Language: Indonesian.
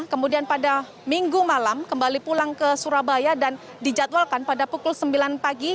kemudian pada minggu malam kembali pulang ke surabaya dan dijadwalkan pada pukul sembilan pagi